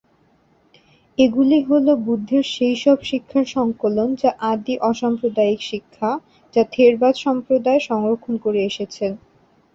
এগুলি হল বুদ্ধের সেই সব শিক্ষার সংকলন যা আদি অসাম্প্রদায়িক শিক্ষা, যা থেরবাদ সম্প্রদায় সংরক্ষণ করে এসেছে।